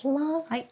はい。